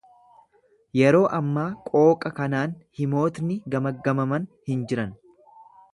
Yeroo ammaa qooqa kanaan himootni gamaggamaman hin jiran.